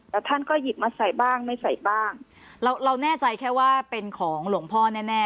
แล้วท่านก็หยิบมาใส่บ้างไม่ใส่บ้างเราเราแน่ใจแค่ว่าเป็นของหลวงพ่อแน่แน่